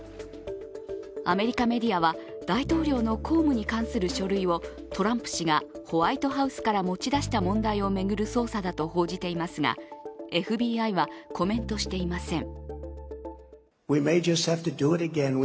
アメリカメディアは、大統領の公務に関する書類をトランプ氏がホワイトハウスから持ち出した問題を巡る捜査だと報じていますがＦＢＩはコメントしていません。